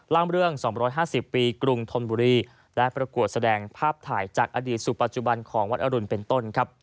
เรื่อง๒๕๐ปีกรุงธนบุรีและประกวดแสดงภาพถ่ายจากอดีตสู่ปัจจุบันของวัดอรุณเป็นต้น